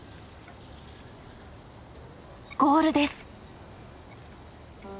ゴールです！